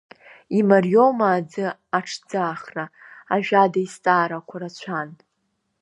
Имариоума аӡы аҽӡаахра, ажәада изҵаарақәа рацәан.